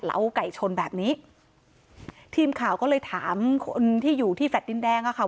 ไก่ชนแบบนี้ทีมข่าวก็เลยถามคนที่อยู่ที่แฟลต์ดินแดงอ่ะค่ะ